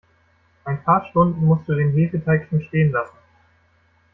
Ein paar Stunden musst du den Hefeteig schon stehen lassen.